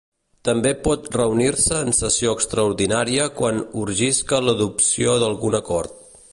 També pot reunir-se en sessió extraordinària quan urgisca l’adopció d’algun acord.